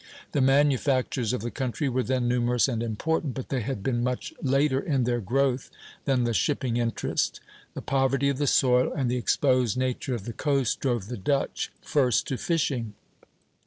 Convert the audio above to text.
The manufactures of the country were then numerous and important, but they had been much later in their growth than the shipping interest. The poverty of the soil and the exposed nature of the coast drove the Dutch first to fishing.